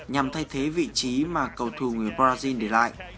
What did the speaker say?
nhằm thay thế vị trí mà cầu thù người brazil để lại